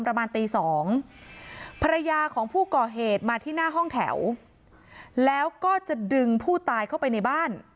ประมาณตีสองภรรยาของผู้ก่อเหตุมาที่หน้าห้องแถวแล้วก็จะดึงผู้ตายเข้าไปในบ้าน